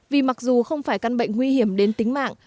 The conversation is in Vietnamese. vì mặc dù không phải căn bệnh nguy hiểm đến tính mạng